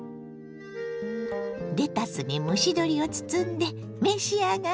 レタスに蒸し鶏を包んで召し上がれ。